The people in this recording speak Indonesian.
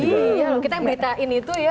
iya kita yang beritain itu ya